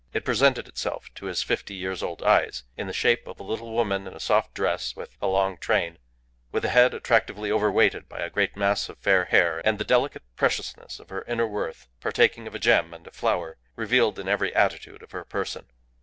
It presented itself to his fifty years' old eyes in the shape of a little woman in a soft dress with a long train, with a head attractively overweighted by a great mass of fair hair and the delicate preciousness of her inner worth, partaking of a gem and a flower, revealed in every attitude of her person.